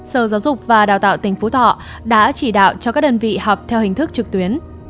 sở giáo dục và đào tạo tỉnh phú thọ đã chỉ đạo cho các đơn vị học theo hình thức trực tuyến